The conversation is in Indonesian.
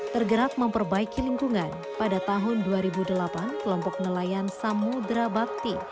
tergerak memperbaiki lingkungan pada tahun dua ribu delapan kelompok nelayan samudera bakti